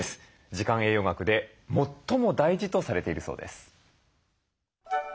時間栄養学で最も大事とされているそうです。